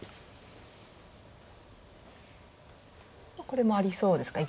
これもありそうですか？